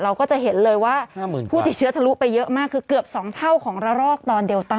เราก็จะเห็นเลยว่าผู้ติดเชื้อทะลุไปเยอะมากคือเกือบ๒เท่าของระรอกตอนเดลต้า